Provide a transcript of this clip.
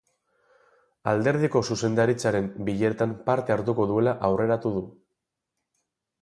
Alderdiko zuzendaritzaren bileretan parte hartuko duela aurreratu du.